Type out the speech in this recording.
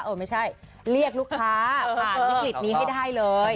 ไม่ใช่เรียกลูกค้าผ่านวิกฤตนี้ให้ได้เลย